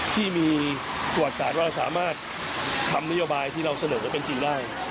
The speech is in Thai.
ที่มีประวัติศาสตร์ว่าสามารถทำนโยบายที่เราเสนอไว้เป็นจริงได้